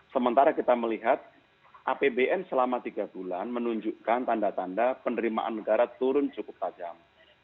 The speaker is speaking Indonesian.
sementara kita melihat apbn selama tiga bulan menunjukkan tanda tanda penerimaan negara turun cukup tajam